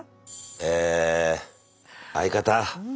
え相方。